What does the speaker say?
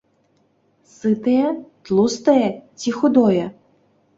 Сытае, тлустае ці худое?